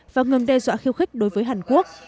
và ngừng đe dọa khiêu khích đối với hàn quốc